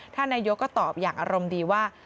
นายกก็ตอบอย่างอารมณ์ดีว่า